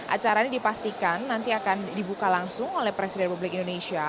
acara ini dipastikan nanti akan dibuka langsung oleh presiden republik indonesia